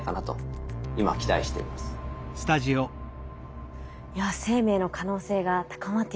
いや生命の可能性が高まってきてますね。